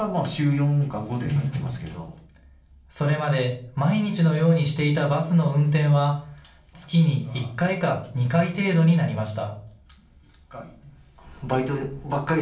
それまで毎日のようにしていたバスの運転は月に１回か２回程度になりました。